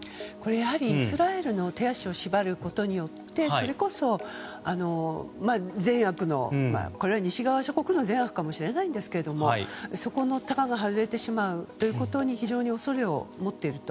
やはりイスラエルの手足を縛ることによってそれこそ、これは西側諸国の善悪かもしれませんがそこのタガが外れてしまうことに非常に恐れを持っていると。